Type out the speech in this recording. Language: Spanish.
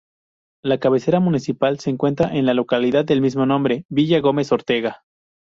La cabecera municipal se encuentra en la localidad de mismo nombre, Villa González Ortega.